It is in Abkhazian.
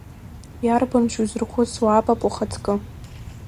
Иарбаншь узырхәыцуа, Апап ухаҵкы?